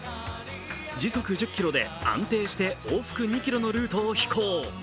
時速１０キロで安定して往復２ｋｍのルートを飛行。